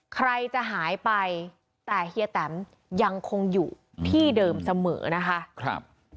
ใครจะหายไปแต่เฮียแตมยังคงอยู่ที่เดิมเสมอนะคะ